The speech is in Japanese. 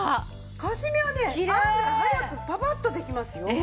カシミアはね案外早くパパッとできますよ。